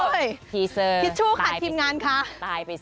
ทีเซอร์ตายไปสิตายไปสิคิดชู้ขัดทีมงานค่ะ